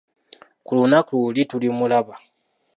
Ku lunaku luli tulimulaba.